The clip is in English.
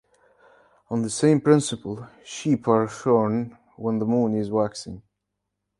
On the same principle, sheep are shorn when the moon is waxing.